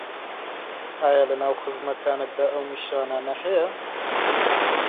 ئایا لەناو خزمەکانتدا ئەو نیشانانه هەیە